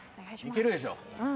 いけるでしょ。